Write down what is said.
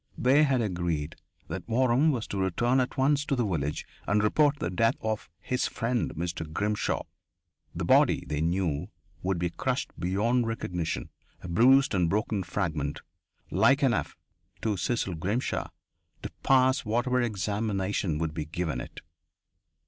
They had agreed that Waram was to return at once to the village and report the death of "his friend, Mr. Grimshaw." The body, they knew, would be crushed beyond recognition a bruised and broken fragment, like enough to Cecil Grimshaw to pass whatever examination would be given it.